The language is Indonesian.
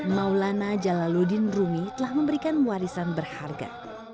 maulana jalaludin rumi telah memberikan warisan berharga